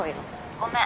ごめん。